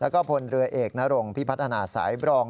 นายยกรัฐมนตรีพบกับทัพนักกีฬาที่กลับมาจากโอลิมปิก๒๐๑๖